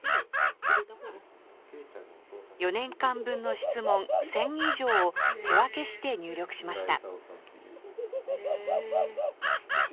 ４年間分の質問、１０００以上を手分けして入力しました。